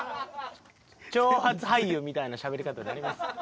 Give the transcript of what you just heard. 長髪俳優みたいなしゃべり方になります。